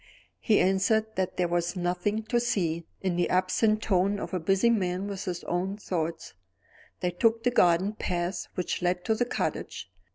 He answered that there was nothing to see, in the absent tone of a man busy with his own thoughts. They took the garden path which led to the cottage.